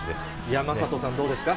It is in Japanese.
山里さん、どうでしょうか。